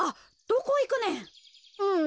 どこいくねん？